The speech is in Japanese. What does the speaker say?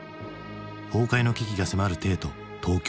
崩壊の危機が迫る帝都東京。